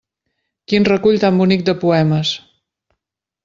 Quin recull tan bonic de poemes!